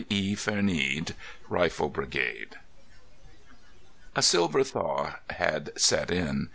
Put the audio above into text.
E. Vernede Rifle Brigade A silver thaw had set in.